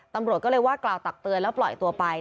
ตำรวจก็เลยว่ากล่าวตักเตือนแล้วปล่อยตัวไป